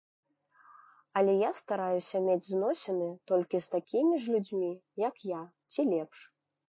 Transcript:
Але я стараюся мець зносіны толькі з такімі ж людзьмі, як я, ці лепш.